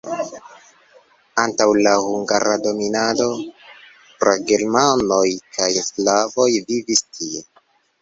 Antaŭ la hungara dominado pragermanoj kaj slavoj vivis tie.